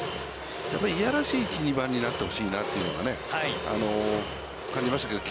やっぱり嫌らしい１、２番になってほしいなというのが感じましたけど。